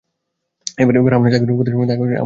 এইবার আপনার যা-কিছু উপদেশ আমাকে দেবার আছে আপনি দিয়ে যান।